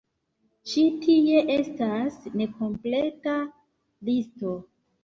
Ĉi tie estas nekompleta listo.